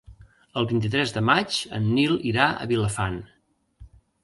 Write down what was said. El vint-i-tres de maig en Nil irà a Vilafant.